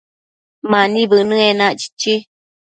Mani bënë enac, chichi